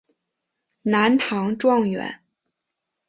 南唐状元。